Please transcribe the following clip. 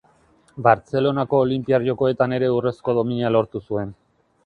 Bartzelonako Olinpiar Jokoetan ere urrezko domina lortu zuen.